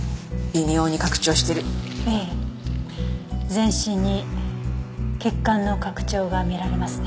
全身に血管の拡張が見られますね。